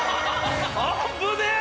危ねえ！